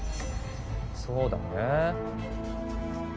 そうだね